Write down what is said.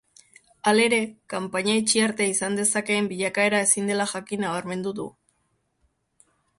Halere, kanpaina itxi arte izan dezakeen bilakaera ezin dela jakin nabarmendu du.